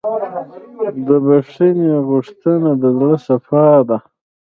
د بښنې غوښتنه د زړه صفا ده.